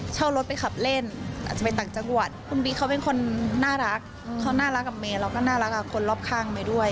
เช่ารถไปขับเล่นอาจจะไปต่างจังหวัดคุณบิ๊กเขาเป็นคนน่ารักเขาน่ารักกับเมย์แล้วก็น่ารักกับคนรอบข้างเมย์ด้วย